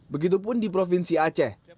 begitupun di provinsi aceh